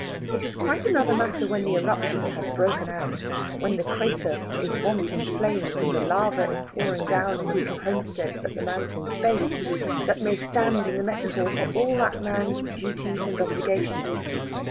It is quite another matter when the eruption has broken out, when the crater is vomiting flames and the lava is pouring down on the little homesteads at the mountain's base, that may stand in the metaphor for all that man's duties and obligations.